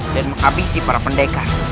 dan menghabisi para pendekar